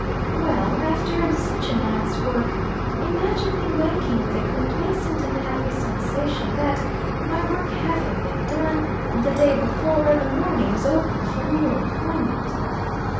Well, after such a night's work, imagine me waking, with a complacent and happy sensation that, my work having been done on the day before, the morning is open for new employment.